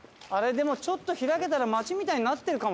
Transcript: でもちょっと開けたら街みたいになってるかも。